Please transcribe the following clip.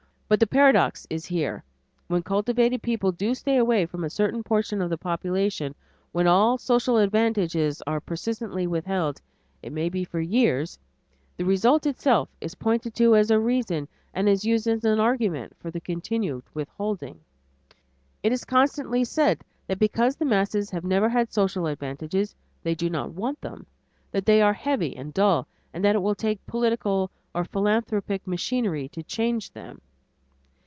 But the paradox is here; when cultivated people do stay away from a certain portion of the population, when all social advantages are persistently withheld, it may be for years, the result itself is pointed to as a reason and is used as an argument, for the continued withholding. It is constantly said that because the masses have never had social advantages, they do want them, that they are heavy and dull, and that it will take political or philanthropic machinery to change them.